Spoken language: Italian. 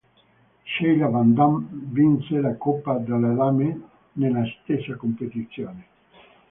Sheila van Damm vinse la Coppa delle Dame nella stessa competizione.